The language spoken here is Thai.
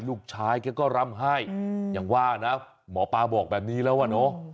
ลูกชายแกก็รำให้อย่างว่านะหมอปลาบอกแบบนี้แล้วอ่ะเนอะ